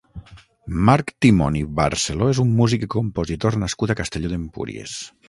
Marc Timón i Barceló és un músic i compositor nascut a Castelló d'Empúries.